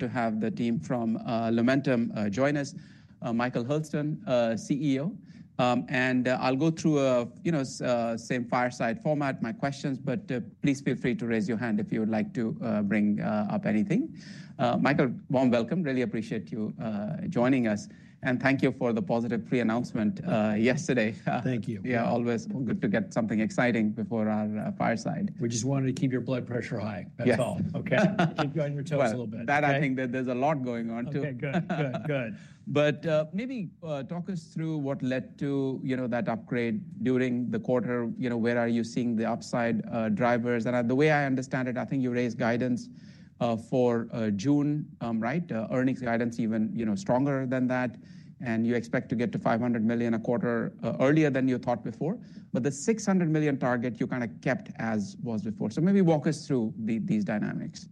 To have the team from Lumentum join us, Michael Hurlston, CEO, and I'll go through, you know, same fireside format, my questions, but please feel free to raise your hand if you would like to bring up anything. Michael, warm welcome, really appreciate you joining us, and thank you for the positive pre-announcement yesterday. Thank you. Yeah, always good to get something exciting before our fireside. We just wanted to keep your blood pressure high, that's all, okay? Keep drying your toes a little bit. That, I think there's a lot going on too. Okay, good, good. Maybe talk us through what led to, you know, that upgrade during the quarter, you know, where are you seeing the upside drivers? The way I understand it, I think you raised guidance for June, right? Earnings guidance even, you know, stronger than that, and you expect to get to $500 million a quarter earlier than you thought before, but the $600 million target you kind of kept as was before. Maybe walk us through these dynamics.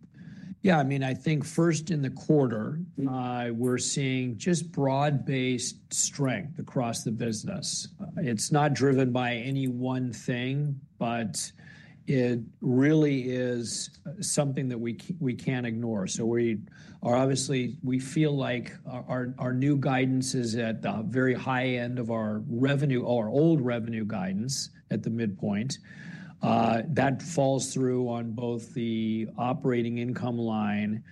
Yeah, I mean, I think first in the quarter, we're seeing just broad-based strength across the business. It's not driven by any one thing, but it really is something that we can't ignore. We are obviously, we feel like our new guidance is at the very high end of our revenue, our old revenue guidance at the midpoint. That falls through on both the operating income line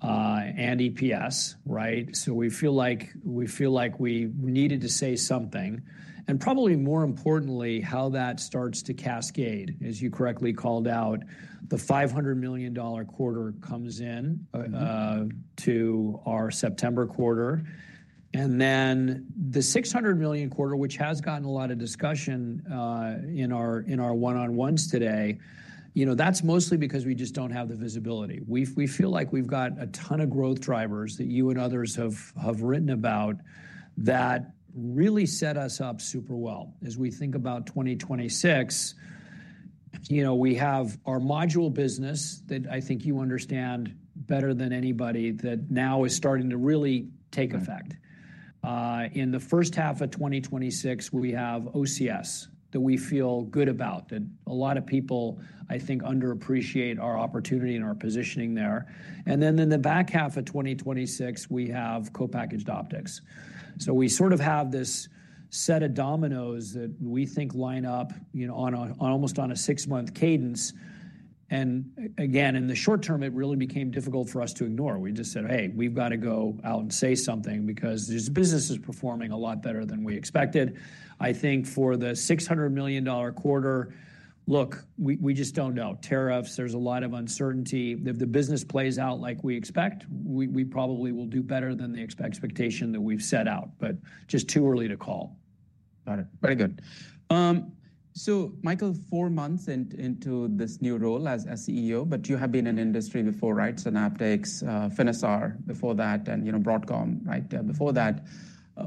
and EPS, right? We feel like we needed to say something, and probably more importantly, how that starts to cascade. As you correctly called out, the $500 million quarter comes in to our September quarter, and then the $600 million quarter, which has gotten a lot of discussion in our one-on-ones today, you know, that's mostly because we just don't have the visibility. We feel like we have got a ton of growth drivers that you and others have written about that really set us up super well. As we think about 2026, you know, we have our module business that I think you understand better than anybody that now is starting to really take effect. In the first half of 2026, we have OCS that we feel good about, that a lot of people, I think, underappreciate our opportunity and our positioning there. In the back half of 2026, we have co-packaged optics. We sort of have this set of dominoes that we think line up, you know, almost on a six-month cadence. Again, in the short term, it really became difficult for us to ignore. We just said, "Hey, we've got to go out and say something because this business is performing a lot better than we expected." I think for the $600 million quarter, look, we just do not know. Tariffs, there is a lot of uncertainty. If the business plays out like we expect, we probably will do better than the expectation that we have set out, but just too early to call. Got it. Very good. So Michael, four months into this new role as CEO, but you have been in industry before, right? So in optics, Finisar before that, and you know, Broadcom, right, before that.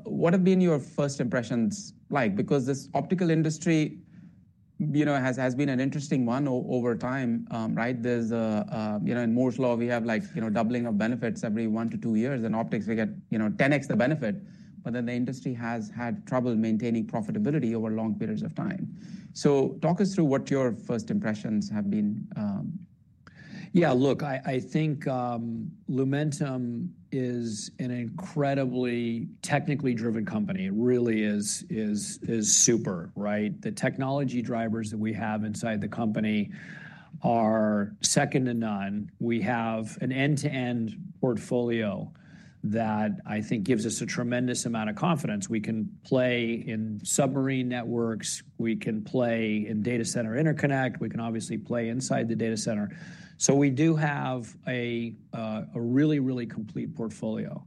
What have been your first impressions like? Because this optical industry, you know, has been an interesting one over time, right? There is, you know, in Moore's Law, we have like, you know, doubling of benefits every one to two years, and optics, we get, you know, 10x the benefit, but then the industry has had trouble maintaining profitability over long periods of time. So talk us through what your first impressions have been. Yeah, look, I think Lumentum is an incredibly technically driven company. It really is super, right? The technology drivers that we have inside the company are second to none. We have an end-to-end portfolio that I think gives us a tremendous amount of confidence. We can play in submarine networks, we can play in data center interconnect, we can obviously play inside the data center. We do have a really, really complete portfolio.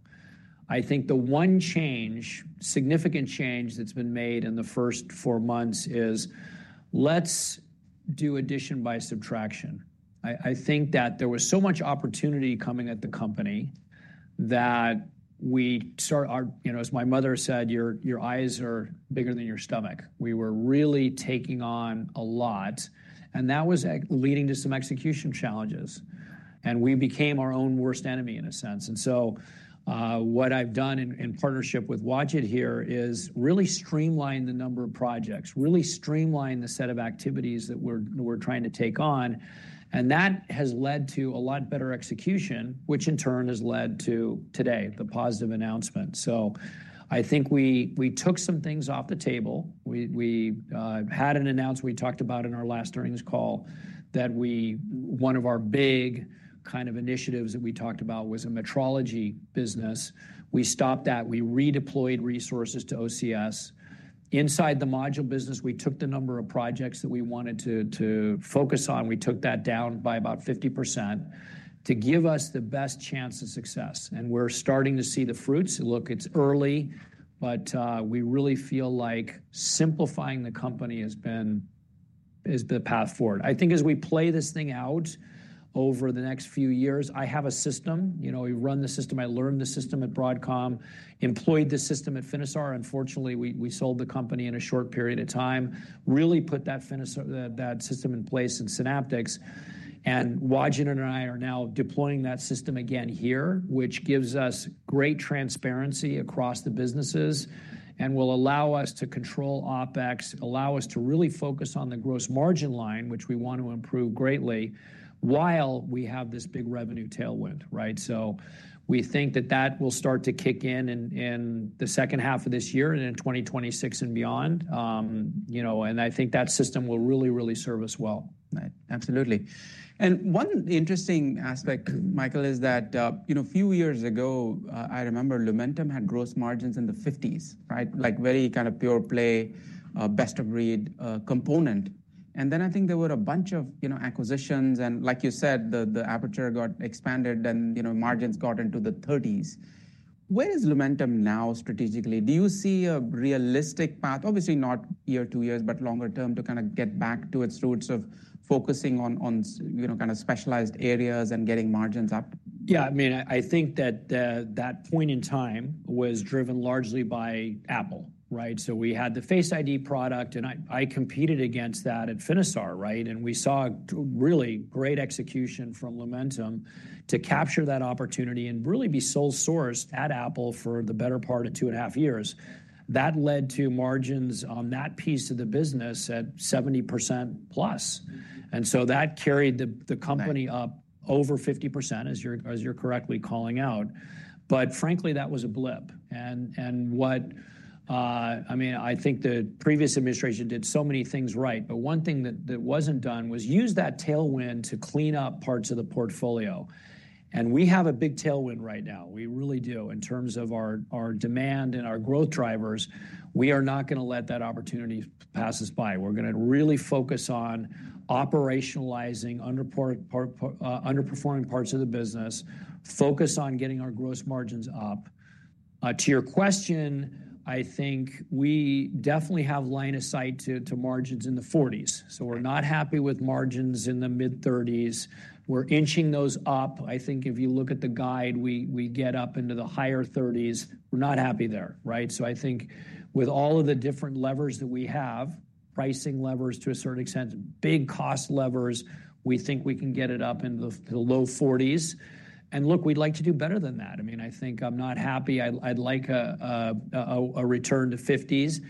I think the one change, significant change that's been made in the first four months is let's do addition by subtraction. I think that there was so much opportunity coming at the company that we start, you know, as my mother said, "Your eyes are bigger than your stomach." We were really taking on a lot, and that was leading to some execution challenges, and we became our own worst enemy in a sense. What I have done in partnership with Wajid here is really streamlined the number of projects, really streamlined the set of activities that we are trying to take on, and that has led to a lot better execution, which in turn has led to today, the positive announcement. I think we took some things off the table. We had an announcement we talked about in our last earnings call that one of our big kind of initiatives that we talked about was a metrology business. We stopped that. We redeployed resources to OCS. Inside the module business, we took the number of projects that we wanted to focus on. We took that down by about 50% to give us the best chance of success, and we are starting to see the fruits. Look, it is early, but we really feel like simplifying the company has been the path forward. I think as we play this thing out over the next few years, I have a system, you know, we run the system, I learned the system at Broadcom, employed the system at Finisar. Unfortunately, we sold the company in a short period of time, really put that system in place in Synaptics, and Wajid and I are now deploying that system again here, which gives us great transparency across the businesses and will allow us to control OpEx, allow us to really focus on the gross margin line, which we want to improve greatly while we have this big revenue tailwind, right? We think that that will start to kick in in the second half of this year and in 2026 and beyond, you know, and I think that system will really, really serve us well. Right, absolutely. One interesting aspect, Michael, is that, you know, a few years ago, I remember Lumentum had gross margins in the 50s, right? Like very kind of pure play, best of breed component. I think there were a bunch of, you know, acquisitions, and like you said, the aperture got expanded and, you know, margins got into the 30s. Where is Lumentum now strategically? Do you see a realistic path, obviously not year or two years, but longer term to kind of get back to its roots of focusing on, you know, kind of specialized areas and getting margins up? Yeah, I mean, I think that that point in time was driven largely by Apple, right? We had the Face ID product, and I competed against that at Finisar, right? We saw really great execution from Lumentum to capture that opportunity and really be sole source at Apple for the better part of two and a half years. That led to margins on that piece of the business at 70%+. That carried the company up over 50%, as you're correctly calling out. Frankly, that was a blip. I mean, I think the previous administration did so many things right, but one thing that wasn't done was use that tailwind to clean up parts of the portfolio. We have a big tailwind right now. We really do. In terms of our demand and our growth drivers, we are not going to let that opportunity pass us by. We're going to really focus on operationalizing underperforming parts of the business, focus on getting our gross margins up. To your question, I think we definitely have line of sight to margins in the 40s. We're not happy with margins in the mid-30s. We're inching those up. I think if you look at the guide, we get up into the higher 30s. We're not happy there, right? I think with all of the different levers that we have, pricing levers to a certain extent, big cost levers, we think we can get it up into the low 40s. Look, we'd like to do better than that. I mean, I think I'm not happy. I'd like a return to 50s.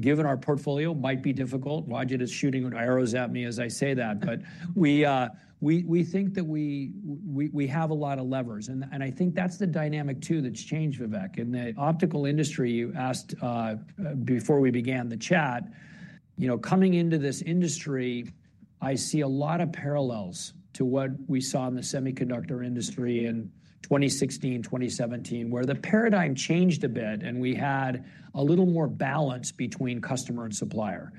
Given our portfolio, it might be difficult. Wajid is shooting arrows at me as I say that, but we think that we have a lot of levers. I think that's the dynamic too that's changed, Vivek. In the optical industry, you asked before we began the chat, you know, coming into this industry, I see a lot of parallels to what we saw in the semiconductor industry in 2016, 2017, where the paradigm changed a bit and we had a little more balance between customer and supplier.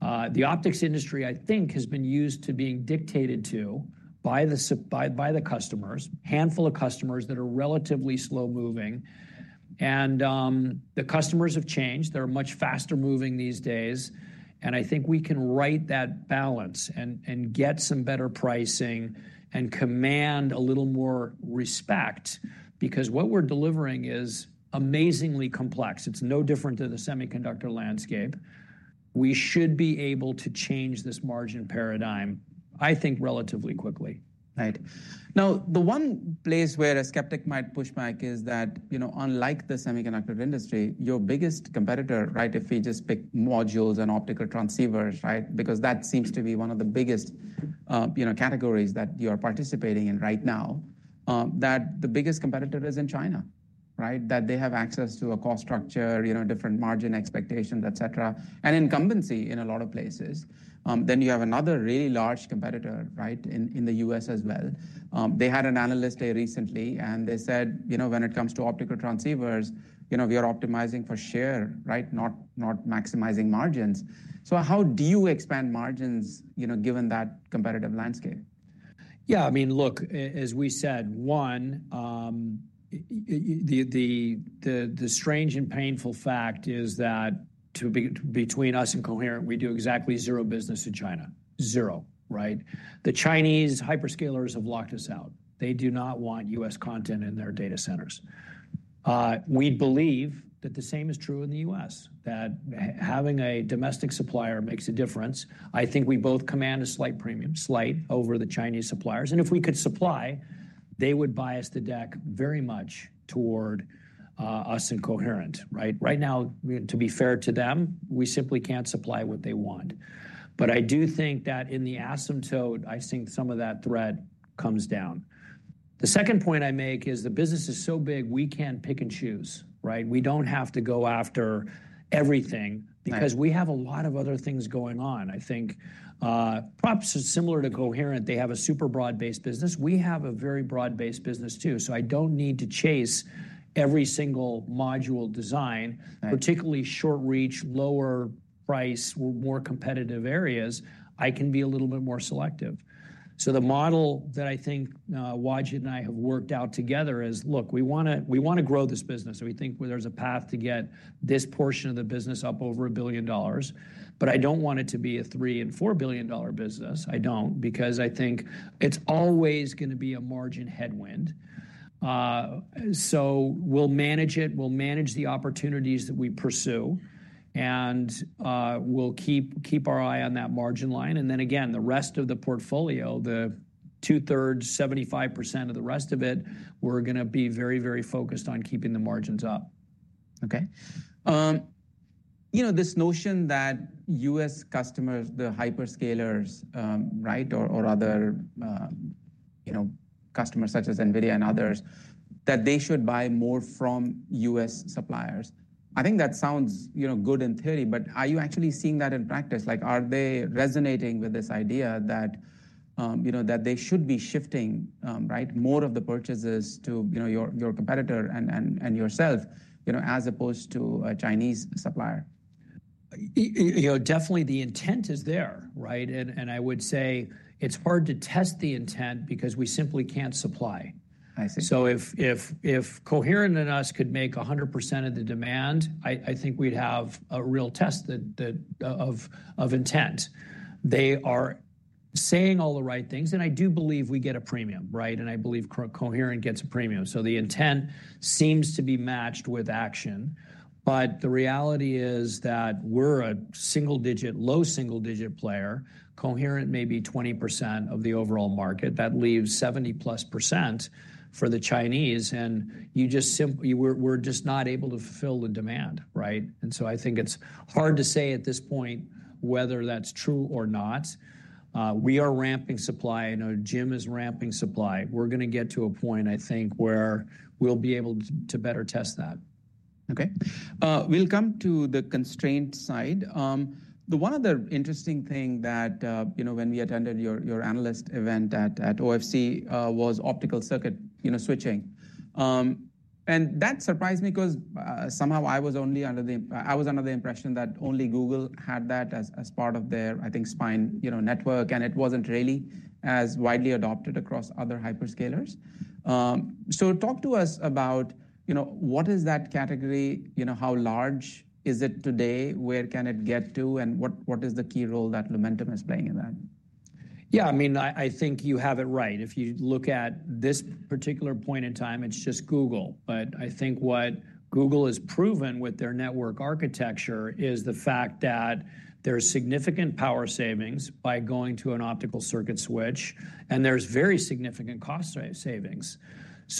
The optics industry, I think, has been used to being dictated to by the customers, a handful of customers that are relatively slow moving, and the customers have changed. They're much faster moving these days. I think we can right that balance and get some better pricing and command a little more respect because what we're delivering is amazingly complex. It's no different than the semiconductor landscape. We should be able to change this margin paradigm, I think, relatively quickly. Right. Now, the one place where a skeptic might push back is that, you know, unlike the semiconductor industry, your biggest competitor, right, if we just pick modules and optical transceivers, right, because that seems to be one of the biggest, you know, categories that you are participating in right now, that the biggest competitor is in China, right? That they have access to a cost structure, you know, different margin expectations, et cetera, and incumbency in a lot of places. You have another really large competitor, right, in the U.S. as well. They had an analyst here recently, and they said, you know, when it comes to optical transceivers, you know, we are optimizing for share, right, not maximizing margins. How do you expand margins, you know, given that competitive landscape? Yeah, I mean, look, as we said, one, the strange and painful fact is that between us and Coherent, we do exactly zero business in China. Zero, right? The Chinese hyperscalers have locked us out. They do not want U.S. content in their data centers. We believe that the same is true in the U.S., that having a domestic supplier makes a difference. I think we both command a slight premium, slight over the Chinese suppliers. If we could supply, they would buy us, the deck very much toward us and Coherent, right? Right now, to be fair to them, we simply can't supply what they want. I do think that in the asymptote, I think some of that threat comes down. The second point I make is the business is so big we can't pick and choose, right? We do not have to go after everything because we have a lot of other things going on. I think perhaps similar to Coherent, they have a super broad-based business. We have a very broad-based business too. I do not need to chase every single module design, particularly short reach, lower price, more competitive areas. I can be a little bit more selective. The model that I think Wajid and I have worked out together is, look, we want to grow this business. We think there is a path to get this portion of the business up over $1 billion, but I do not want it to be a $3 billion-$4 billion business. I do not, because I think it is always going to be a margin headwind. We will manage it. We will manage the opportunities that we pursue, and we will keep our eye on that margin line. The rest of the portfolio, the two-thirds, 75% of the rest of it, we're going to be very, very focused on keeping the margins up. Okay. You know, this notion that U.S. customers, the hyperscalers, right, or other, you know, customers such as NVIDIA and others, that they should buy more from U.S. suppliers, I think that sounds, you know, good in theory, but are you actually seeing that in practice? Like, are they resonating with this idea that, you know, that they should be shifting, right, more of the purchases to, you know, your competitor and yourself, you know, as opposed to a Chinese supplier? You know, definitely the intent is there, right? I would say it's hard to test the intent because we simply can't supply. I see. If Coherent and us could make 100% of the demand, I think we'd have a real test of intent. They are saying all the right things, and I do believe we get a premium, right? I believe Coherent gets a premium. The intent seems to be matched with action, but the reality is that we're a single-digit, low single-digit player. Coherent may be 20% of the overall market. That leaves 70+% for the Chinese, and you just simply, we're just not able to fulfill the demand, right? I think it's hard to say at this point whether that's true or not. We are ramping supply. I know Jim is ramping supply. We're going to get to a point, I think, where we'll be able to better test that. Okay. We'll come to the constraint side. One other interesting thing that, you know, when we attended your analyst event at OFC was optical circuit, you know, switching. That surprised me because somehow I was only under the, I was under the impression that only Google had that as part of their, I think, spine, you know, network, and it wasn't really as widely adopted across other hyperscalers. Talk to us about, you know, what is that category, you know, how large is it today, where can it get to, and what is the key role that Lumentum is playing in that? Yeah, I mean, I think you have it right. If you look at this particular point in time, it's just Google, but I think what Google has proven with their network architecture is the fact that there's significant power savings by going to an optical circuit switch, and there's very significant cost savings.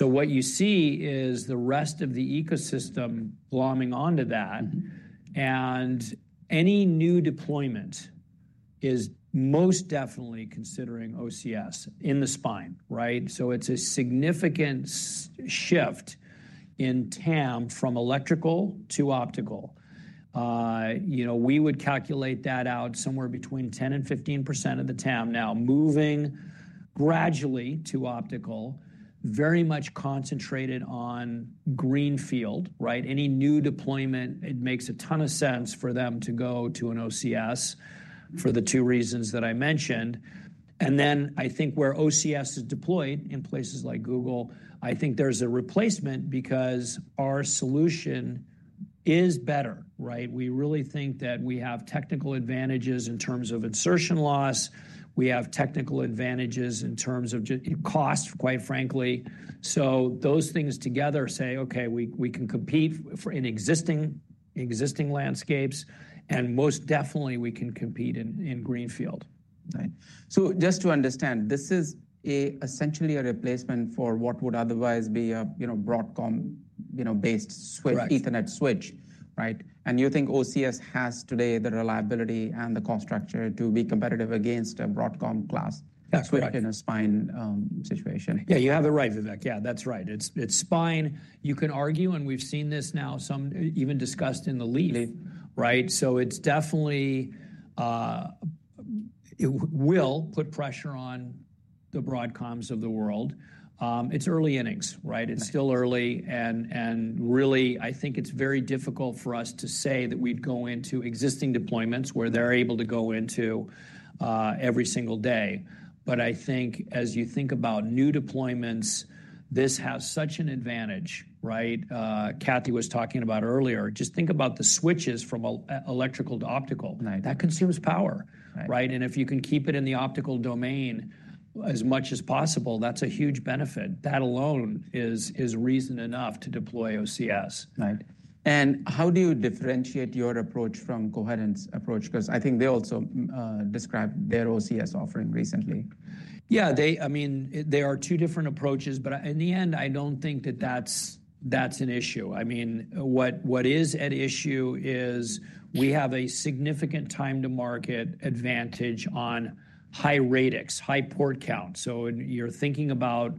What you see is the rest of the ecosystem plumbing onto that, and any new deployment is most definitely considering OCS in the spine, right? It's a significant shift in TAM from electrical to optical. You know, we would calculate that out somewhere between 10% and 15% of the TAM now, moving gradually to optical, very much concentrated on greenfield, right? Any new deployment, it makes a ton of sense for them to go to an OCS for the two reasons that I mentioned. I think where OCS is deployed in places like Google, I think there's a replacement because our solution is better, right? We really think that we have technical advantages in terms of insertion loss. We have technical advantages in terms of cost, quite frankly. Those things together say, okay, we can compete in existing landscapes, and most definitely we can compete in greenfield. Right. So just to understand, this is essentially a replacement for what would otherwise be a, you know, Broadcom, you know, based switch, Ethernet switch, right? And you think OCS has today the reliability and the cost structure to be competitive against a Broadcom class switch in a spine situation. Yeah, you have it right, Vivek. Yeah, that's right. It's spine. You can argue, and we've seen this now, some even discussed in the lead, right? It will put pressure on the Broadcoms of the world. It's early innings, right? It's still early, and really I think it's very difficult for us to say that we'd go into existing deployments where they're able to go into every single day. I think as you think about new deployments, this has such an advantage, right? Kathy was talking about earlier, just think about the switches from electrical to optical. That consumes power, right? If you can keep it in the optical domain as much as possible, that's a huge benefit. That alone is reason enough to deploy OCS. Right. How do you differentiate your approach from Coherent's approach? I think they also described their OCS offering recently. Yeah, they, I mean, there are two different approaches, but in the end, I do not think that that is an issue. I mean, what is at issue is we have a significant time to market advantage on high-radix, high port count. You are thinking about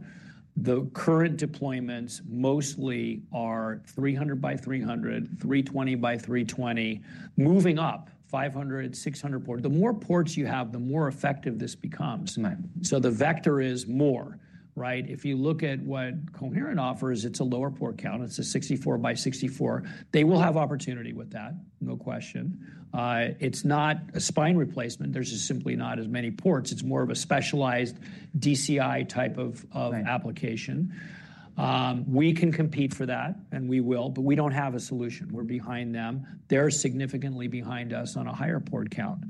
the current deployments mostly are 300 by 300, 320 by 320, moving up 500, 600 port. The more ports you have, the more effective this becomes. The vector is more, right? If you look at what Coherent offers, it is a lower port count. It is a 64 by 64. They will have opportunity with that, no question. It is not a spine replacement. There are just simply not as many ports. It is more of a specialized DCI type of application. We can compete for that, and we will, but we do not have a solution. We are behind them. They are significantly behind us on a higher port count.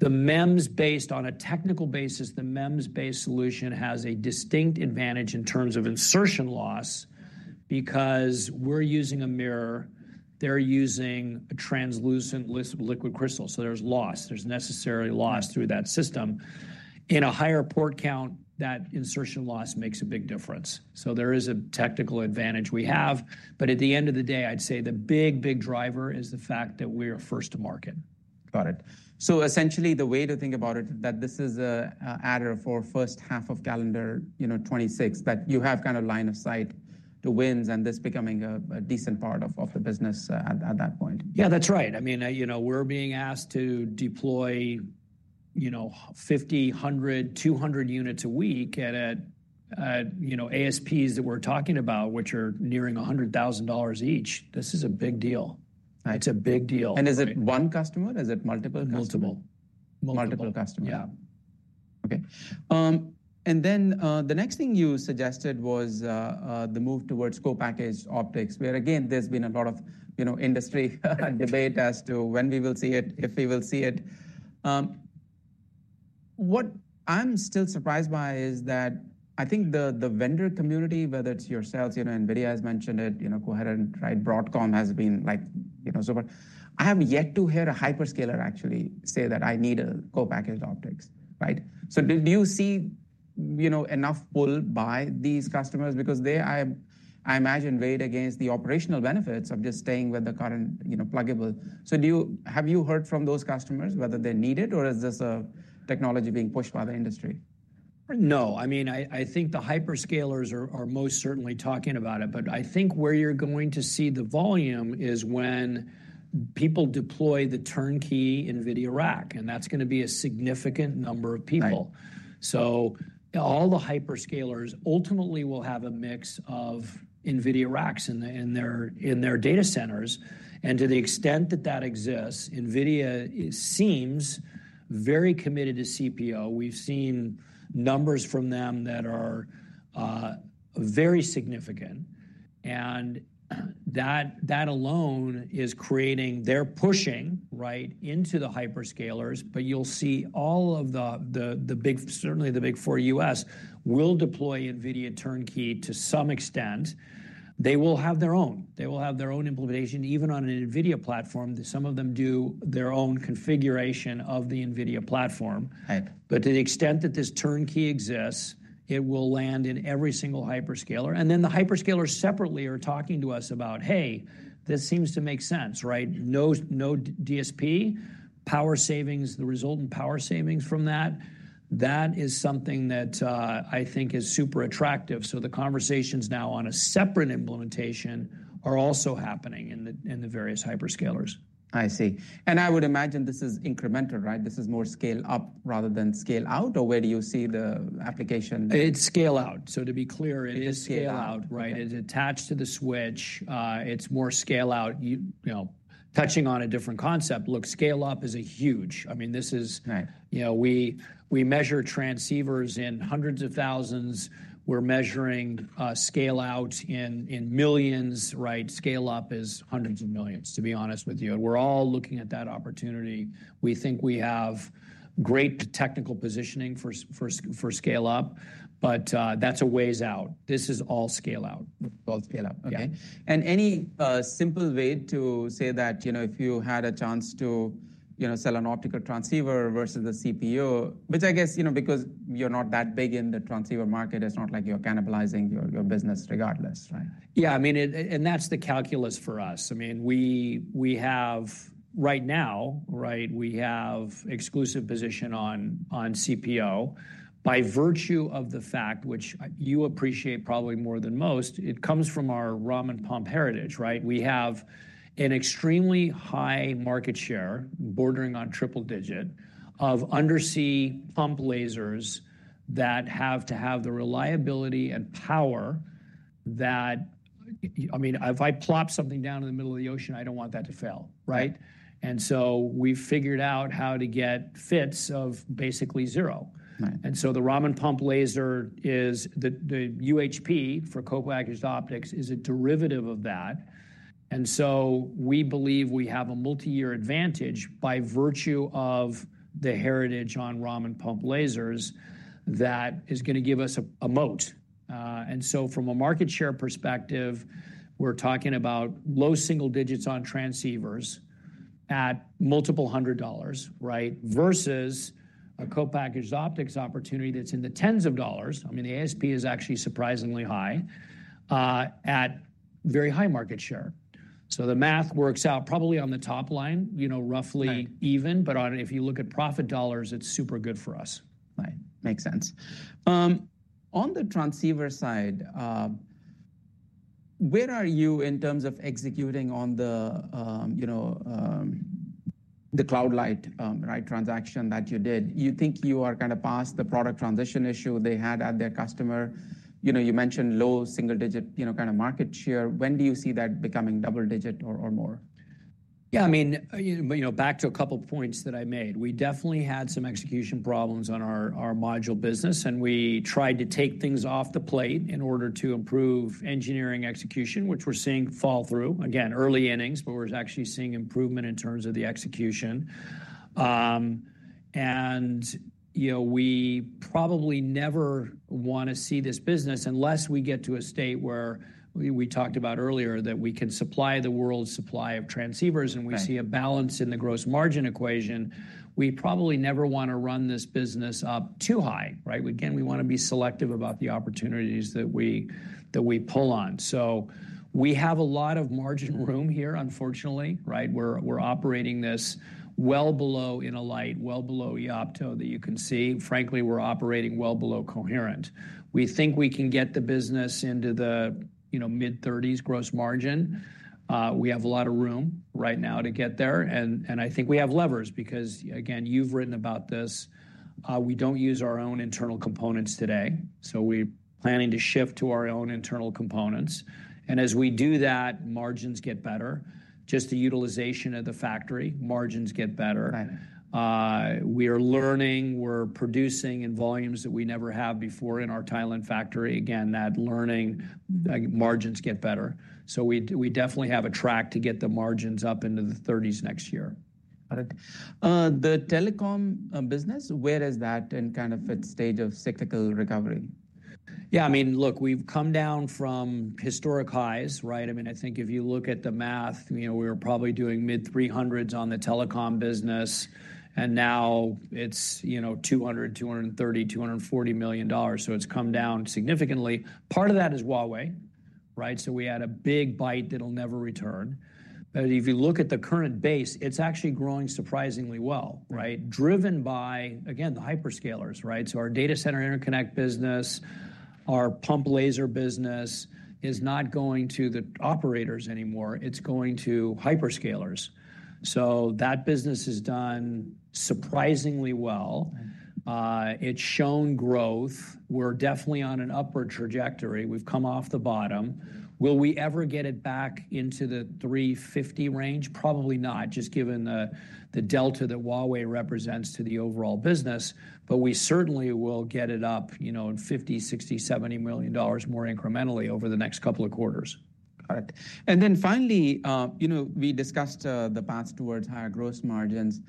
The MEMS-based, on a technical basis, the MEMS-based solution has a distinct advantage in terms of insertion loss because we're using a mirror. They're using a translucent liquid crystal. So there's loss. There's necessary loss through that system. In a higher port count, that insertion loss makes a big difference. There is a technical advantage we have, but at the end of the day, I'd say the big, big driver is the fact that we are first to market. Got it. So essentially the way to think about it, that this is an added for first half of calendar, you know, 2026, that you have kind of line of sight to wins and this becoming a decent part of the business at that point. Yeah, that's right. I mean, you know, we're being asked to deploy, you know, 50, 100, 200 units a week at, you know, ASPs that we're talking about, which are nearing $100,000 each. This is a big deal. It's a big deal. Is it one customer? Is it multiple customers? Multiple. Multiple customers. Yeah. Okay. The next thing you suggested was the move towards co-packaged optics, where again, there has been a lot of, you know, industry debate as to when we will see it, if we will see it. What I am still surprised by is that I think the vendor community, whether it is yourselves, you know, NVIDIA has mentioned it, you know, Coherent, right? Broadcom has been, like, you know, so far. I have yet to hear a hyperscaler actually say that I need a co-packaged optics, right? Did you see, you know, enough pull by these customers? Because they, I imagine, weighed against the operational benefits of just staying with the current, you know, pluggable. Do you, have you heard from those customers whether they need it or is this a technology being pushed by the industry? No. I mean, I think the hyperscalers are most certainly talking about it, but I think where you're going to see the volume is when people deploy the turnkey NVIDIA rack, and that's going to be a significant number of people. All the hyperscalers ultimately will have a mix of NVIDIA racks in their data centers. To the extent that that exists, NVIDIA seems very committed to CPO. We've seen numbers from them that are very significant, and that alone is creating, they're pushing, right, into the hyperscalers, but you'll see all of the big, certainly the big four U.S. will deploy NVIDIA turnkey to some extent. They will have their own. They will have their own implementation even on an NVIDIA platform. Some of them do their own configuration of the NVIDIA platform, but to the extent that this turnkey exists, it will land in every single hyperscaler. The hyperscalers separately are talking to us about, hey, this seems to make sense, right? No DSP, power savings, the resultant power savings from that, that is something that I think is super attractive. The conversations now on a separate implementation are also happening in the various hyperscalers. I see. I would imagine this is incremental, right? This is more scale up rather than scale out, or where do you see the application? It's scale out. To be clear, it is scale out, right? It's attached to the switch. It's more scale out, you know, touching on a different concept. Look, scale up is a huge, I mean, this is, you know, we measure transceivers in hundreds of thousands. We're measuring scale out in millions, right? Scale up is hundreds of millions, to be honest with you. We're all looking at that opportunity. We think we have great technical positioning for scale up, but that's a ways out. This is all scale out. All scale out, okay. Any simple way to say that, you know, if you had a chance to, you know, sell an optical transceiver versus a CPU, which I guess, you know, because you're not that big in the transceiver market, it's not like you're cannibalizing your business regardless, right? Yeah, I mean, and that's the calculus for us. I mean, we have right now, right, we have exclusive position on CPO by virtue of the fact, which you appreciate probably more than most, it comes from our Raman pump heritage, right? We have an extremely high market share, bordering on triple digit, of undersea pump lasers that have to have the reliability and power that, I mean, if I plop something down in the middle of the ocean, I don't want that to fail, right? We have figured out how to get fits of basically zero. The Raman pump laser is the UHP for co-packaged optics, is a derivative of that. We believe we have a multi-year advantage by virtue of the heritage on Raman pump lasers that is going to give us a moat. From a market share perspective, we're talking about low single digits on transceivers at multiple hundred dollars, right? Versus a co-packaged optics opportunity that's in the tens of dollars. I mean, the ASP is actually surprisingly high at very high market share. The math works out probably on the top line, you know, roughly even, but if you look at profit dollars, it's super good for us. Right. Makes sense. On the transceiver side, where are you in terms of executing on the, you know, the CloudLight, right, transaction that you did? You think you are kind of past the product transition issue they had at their customer? You know, you mentioned low single digit, you know, kind of market share. When do you see that becoming double digit or more? Yeah, I mean, you know, back to a couple of points that I made. We definitely had some execution problems on our module business, and we tried to take things off the plate in order to improve engineering execution, which we're seeing fall through. Again, early innings, but we're actually seeing improvement in terms of the execution. You know, we probably never want to see this business unless we get to a state where we talked about earlier that we can supply the world's supply of transceivers and we see a balance in the gross margin equation. We probably never want to run this business up too high, right? Again, we want to be selective about the opportunities that we pull on. We have a lot of margin room here, unfortunately, right? We're operating this well below Innolight, well below Eoptolink that you can see. Frankly, we're operating well below Coherent. We think we can get the business into the, you know, mid-30% gross margin. We have a lot of room right now to get there. I think we have levers because, again, you've written about this. We don't use our own internal components today. We're planning to shift to our own internal components. As we do that, margins get better. Just the utilization of the factory, margins get better. We are learning, we're producing in volumes that we never have before in our Thailand factory. Again, that learning, margins get better. We definitely have a track to get the margins up into the 30% next year. Got it. The telecom business, where is that and kind of its stage of cyclical recovery? Yeah, I mean, look, we've come down from historic highs, right? I mean, I think if you look at the math, you know, we were probably doing mid-300s on the telecom business, and now it's, you know, 200, 230, 240 million. So it's come down significantly. Part of that is Huawei, right? We had a big bite that'll never return. If you look at the current base, it's actually growing surprisingly well, right? Driven by, again, the hyperscalers, right? Our data center interconnect business, our pump laser business is not going to the operators anymore. It's going to hyperscalers. That business has done surprisingly well. It's shown growth. We're definitely on an upward trajectory. We've come off the bottom. Will we ever get it back into the 350 range? Probably not, just given the delta that Huawei represents to the overall business, but we certainly will get it up, you know, in $50 million-$60 million-$70 million more incrementally over the next couple of quarters. Got it. And then finally, you know, we discussed the path towards higher gross margins.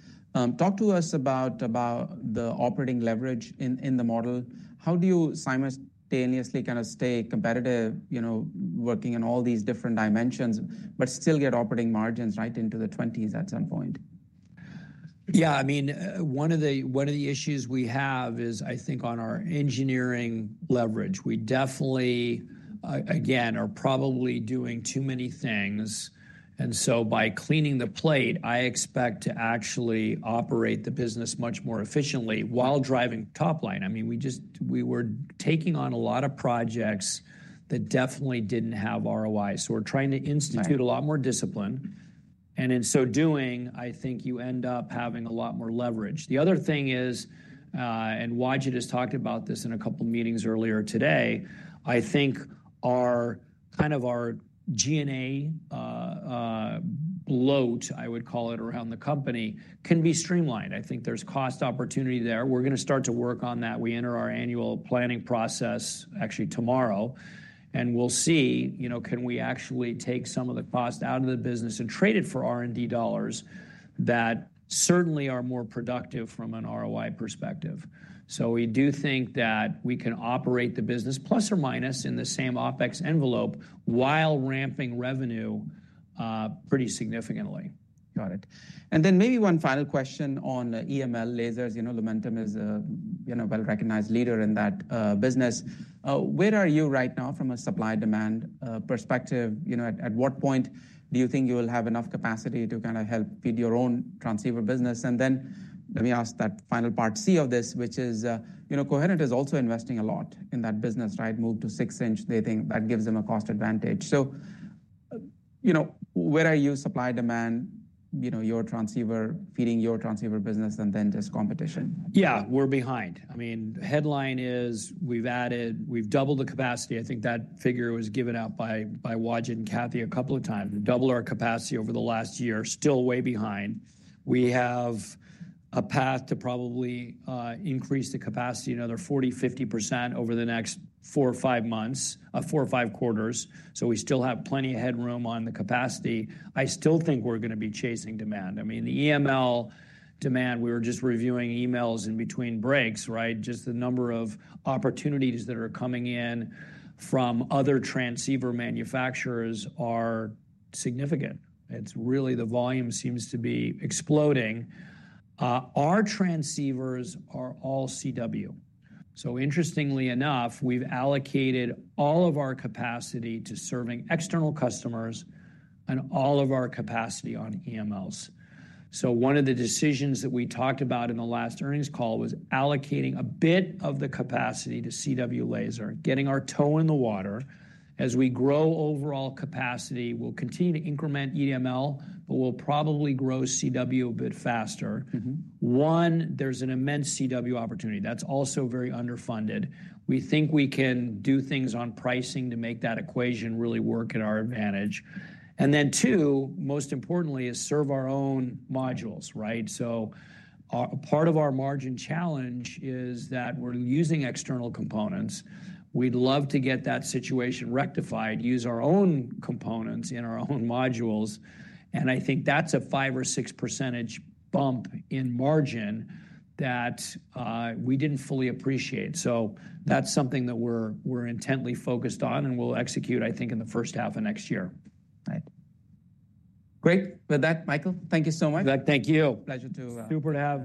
Talk to us about the operating leverage in the model. How do you simultaneously kind of stay competitive, you know, working in all these different dimensions, but still get operating margins right into the 20s at some point? Yeah, I mean, one of the issues we have is, I think, on our engineering leverage. We definitely, again, are probably doing too many things. By cleaning the plate, I expect to actually operate the business much more efficiently while driving top line. I mean, we just, we were taking on a lot of projects that definitely did not have ROI. We are trying to institute a lot more discipline. In so doing, I think you end up having a lot more leverage. The other thing is, and Wajid has talked about this in a couple of meetings earlier today, I think our kind of our G&A bloat, I would call it, around the company can be streamlined. I think there is cost opportunity there. We are going to start to work on that. We enter our annual planning process actually tomorrow, and we'll see, you know, can we actually take some of the cost out of the business and trade it for R&D dollars that certainly are more productive from an ROI perspective. We do think that we can operate the business plus or minus in the same OpEx envelope while ramping revenue pretty significantly. Got it. And then maybe one final question on EML lasers, you know, Lumentum is a, you know, well-recognized leader in that business. Where are you right now from a supply-demand perspective? You know, at what point do you think you will have enough capacity to kind of help feed your own transceiver business? And then let me ask that final part C of this, which is, you know, Coherent is also investing a lot in that business, right? Move to 6-inch. They think that gives them a cost advantage. So, you know, where are you supply-demand, you know, your transceiver feeding your transceiver business and then just competition? Yeah, we're behind. I mean, headline is we've added, we've doubled the capacity. I think that figure was given out by Wajid and Kathy a couple of times. We've doubled our capacity over the last year, still way behind. We have a path to probably increase the capacity another 40%-50% over the next four or five months, four or five quarters. We still have plenty of headroom on the capacity. I still think we're going to be chasing demand. I mean, the EML demand, we were just reviewing emails in between breaks, right? Just the number of opportunities that are coming in from other transceiver manufacturers are significant. It's really the volume seems to be exploding. Our transceivers are all CW. Interestingly enough, we've allocated all of our capacity to serving external customers and all of our capacity on EMLs. One of the decisions that we talked about in the last earnings call was allocating a bit of the capacity to CW laser, getting our toe in the water. As we grow overall capacity, we'll continue to increment EML, but we'll probably grow CW a bit faster. One, there's an immense CW opportunity. That's also very underfunded. We think we can do things on pricing to make that equation really work at our advantage. Two, most importantly, is serve our own modules, right? Part of our margin challenge is that we're using external components. We'd love to get that situation rectified, use our own components in our own modules. I think that's a 5% or 6% bump in margin that we didn't fully appreciate. That's something that we're intently focused on and we'll execute, I think, in the first half of next year. Great. With that, Michael, thank you so much. Thank you. Pleasure to. Super.